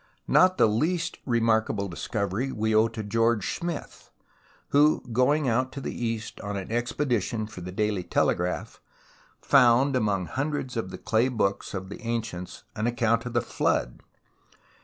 Not the least remarkable discovery we owe to George Smith, who, going out to the East on an expedition for the Daily Telegraph, found among hundreds of the clay books of the ancients an account of the Flood.